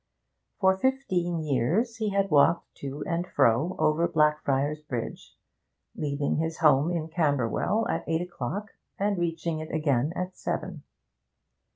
For fifteen years he had walked to and fro over Blackfriars Bridge, leaving his home in Camberwell at eight o'clock and reaching it again at seven.